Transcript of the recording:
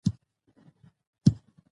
افغانستان د ډول ډول آب وهوا یو ښه کوربه دی.